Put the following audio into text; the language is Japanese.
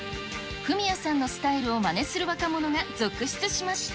フミヤさんのスタイルをまねする若者が続出しました。